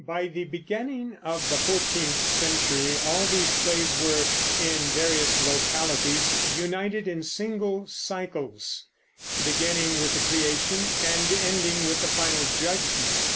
By the beginning of the fourteenth century all these plays were, in various localities, united in single cycles beginning with the Creation and ending with the Final Judgment.